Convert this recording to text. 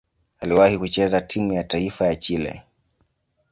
Aliwahi kucheza timu ya taifa ya Chile.